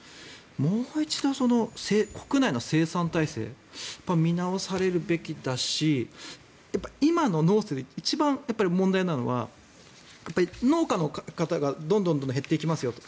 もう一度、国内の生産体制は見直されるべきだしやっぱり今の農政で一番問題なのは農家の方がどんどんと減っていきますよと。